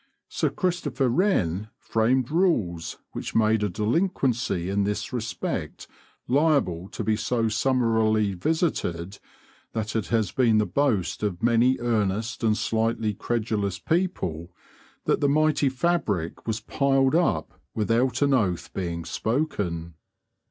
Sir Christopher Wren framed rules which made a delinquency in this respect liable to be so summarily visited that it has been the boast of many earnest and slightly credulous people that the mighty fabric was piled up without an oath being spoken.